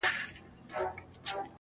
کرنه د سیمې تاریخ سره تړلې ده.